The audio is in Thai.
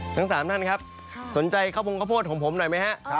ทั้ง๓ท่านครับสนใจข้าวโพงข้าวโพดของผมหน่อยไหมฮะ